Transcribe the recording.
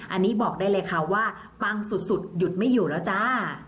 อันนี้บอกได้เลยค่ะว่าปังสุดหยุดไม่อยู่แล้วจ้า